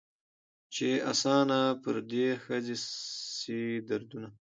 چي آسانه پر دې ښځي سي دردونه